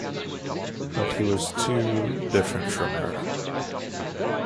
But he was too different from her.